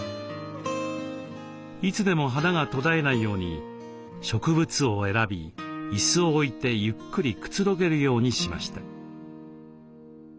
いつでも花が途絶えないように植物を選び椅子を置いてゆっくりくつろげるようにしました。